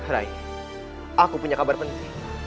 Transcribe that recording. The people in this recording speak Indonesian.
aku punya kabar penting